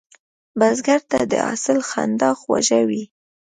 بزګر ته د حاصل خندا خوږه وي